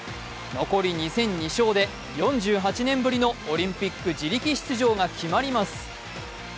残り２戦２勝で４８年ぶりのオリンピック自力出場が決まります。